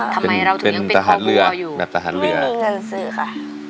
ทำไมเราถึงยังเป็นคอบัวอยู่เป็นทหารเรือแบบทหารเรือไม่มีเงินซื้อค่ะ